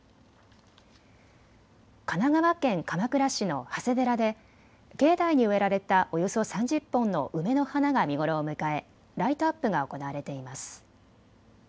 神奈川県鎌倉市の長谷寺で境内に植えられたおよそ３０本の梅の花が見頃を迎えライトアップが行われています。